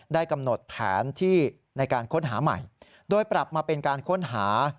ได้กำหนดแผนที่ในการค้นหาใหม่โดยปรับมาเป็นการค้นหา